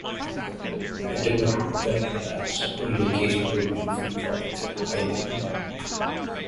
I took my pet rats on vacation to a beautiful tropical island.